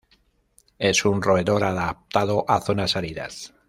Es un roedor adaptado a zonas áridas.